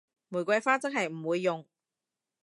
玫瑰花真係唔會用